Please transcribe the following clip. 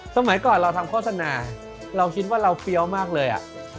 สมัยก่อนเราทำโฆษณาเราคิดว่าเราเฟี้ยวมากเลย